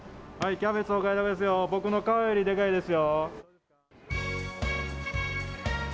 キャベツ、お買い得ですよ、僕の顔よりでかいですよ。